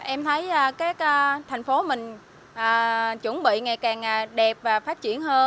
em thấy các thành phố mình chuẩn bị ngày càng đẹp và phát triển hơn